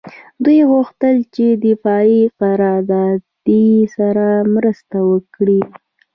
دوی غوښتل چې د دفاعي قراردادي سره مرسته وکړي